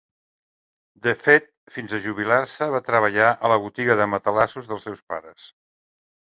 De fet, fins a jubilar-se, va treballar a la botiga de matalassos dels seus pares.